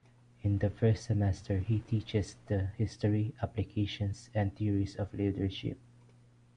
In the first semester, he teaches the history, applications, and theories of leadership